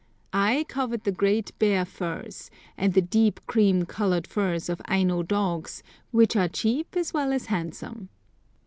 I covet the great bear furs and the deep cream coloured furs of Aino dogs, which are cheap as well as handsome.